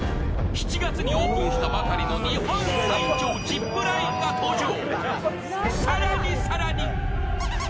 ７月にオープンしたばかりの日本最長ジップラインが登場。